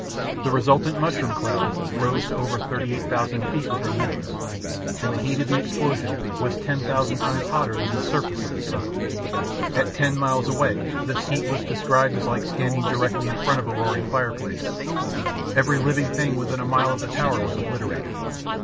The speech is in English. The resultant mushroom cloud rose to over 38,000 feet within minutes, and the heat of the explosion was 10,000 times hotter than the surface of the sun! At ten miles away, this heat was described as like standing directly in front of a roaring fireplace. Every living thing within a mile of the tower was obliterated.